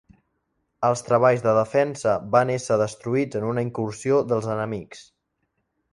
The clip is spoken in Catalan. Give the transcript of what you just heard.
Els treballs de defensa van ésser destruïts en una incursió dels enemics.